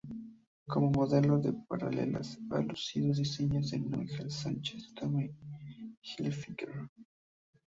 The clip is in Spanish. Como modelo de pasarelas ha lucido diseños de Ángel Sánchez y Tommy Hilfiger.